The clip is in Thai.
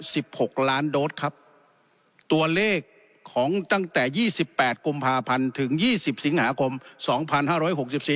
หกล้านโดสครับตัวเลขของตั้งแต่ยี่สิบแปดกุมภาพันธ์ถึงยี่สิบสิงหาคมสองพันห้าร้อยหกสิบสี่